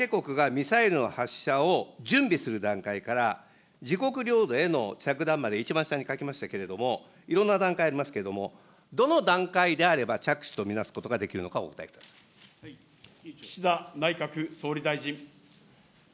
相手国がミサイルの発射を準備する段階から、自国領土への着弾まで一番下に書きましたけれども、いろんな段階ありますけれども、どの段階であれば着手と見なすことができるのかをお答えくだ岸田内閣総理大臣。